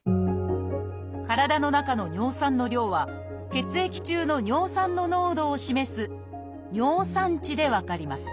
体の中の尿酸の量は血液中の尿酸の濃度を示す「尿酸値」で分かります。